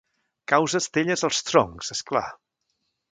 Causa estelles als troncs, esclar.